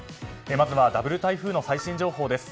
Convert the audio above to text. まずはダブル台風の最新情報です。